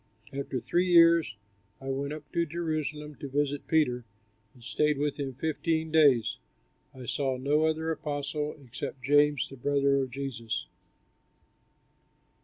After three years I went up to Jerusalem to visit Peter and stayed with him fifteen days. I saw no other apostle except James the brother of Jesus.